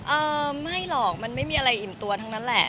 เออไม่หรอกมันไม่มีอะไรอิ่มตัวทั้งนั้นแหละ